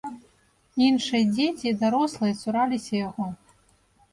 Іншыя дзеці і дарослыя цураліся яго.